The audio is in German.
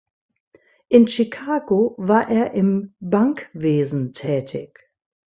In Chicago war er im Bankwesen tätig.